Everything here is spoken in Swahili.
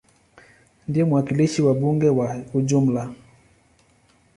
Ndiye mwakilishi wa bunge kwa ujumla.